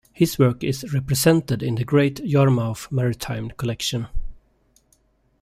His work is represented in the Great Yarmouth Maritime Collection.